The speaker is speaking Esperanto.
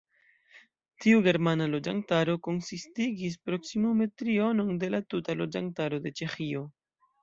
Tiu germana loĝantaro konsistigis proksimume trionon de la tuta loĝantaro de Ĉeĥio.